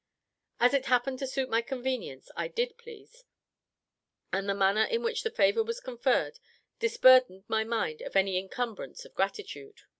As it happened to suit my convenience, I did please; and the manner in which the favour was conferred disburdened my mind of any incumbrance of gratitude.